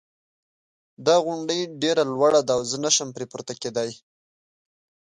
دا غونډی ډېره لوړه ده او زه نه شم پری پورته کېدای